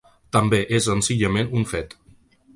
També és senzillament un fet.